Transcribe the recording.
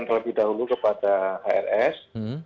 terlebih dahulu kepada hrs